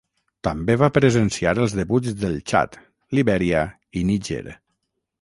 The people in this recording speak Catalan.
També va presenciar els debuts del Txad, Libèria i Níger.